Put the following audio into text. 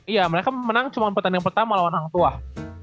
iya mereka menang cuma pertandingan pertama lawan hang tuah